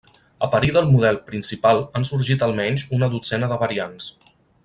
A parir del model principal han sorgit almenys una dotzena de variants.